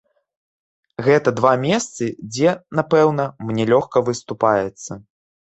Гэта два месцы, дзе, напэўна, мне лёгка выступаецца.